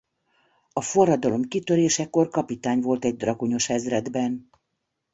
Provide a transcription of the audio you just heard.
A forradalom kitörésekor kapitány volt egy dragonyos ezredben.